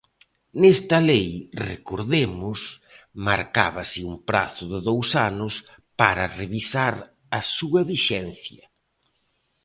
Nesta lei –recordemos– marcábase un prazo de dous anos para revisar a súa vixencia.